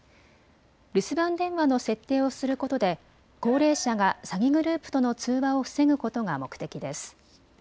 留守番電話の設定をすることで高齢者が詐欺グループとの通話を防ぐことが目的です。